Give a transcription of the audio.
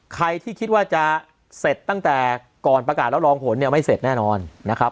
ใครที่คิดว่าจะเสร็จตั้งแต่ก่อนประกาศแล้วรองผลเนี่ยไม่เสร็จแน่นอนนะครับ